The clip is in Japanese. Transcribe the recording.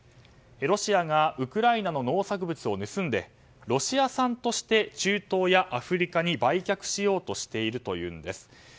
ロシアがウクライナの農作物を盗んでロシア産として中東やアフリカに売却しようとしているというんです。